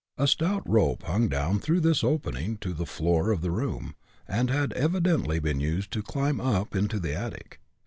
A stout rope hung down through this opening to the floor of the room, and had evidently been used to climb up into the attic.